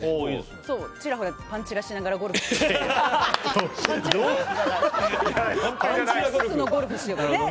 ちらほらパンチラしながらゴルフしようかなと。